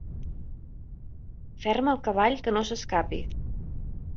Ferma el cavall, que no s'escapi.